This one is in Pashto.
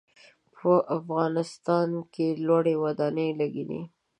په افغانستان کې لوړې ودانۍ لږ دي.